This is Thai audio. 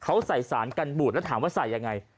เขาใส่สารกันบูดแล้วถามว่าใส่ยังไง